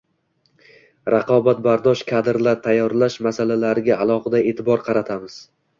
raqobatbardosh kadrlar tayyorlash masalalariga alohida e’tibor qaratamiz.